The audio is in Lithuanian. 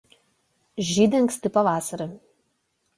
Žydi anksti pavasarį.